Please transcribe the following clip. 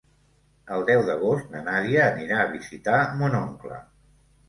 El deu d'agost na Nàdia anirà a visitar mon oncle.